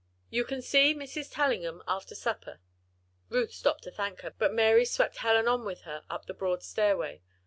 You can see Mrs. Tellingham after supper." Ruth stopped to thank her, but Mary swept Helen on with her up the broad stairway.